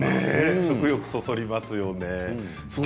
食欲をそそりますよね。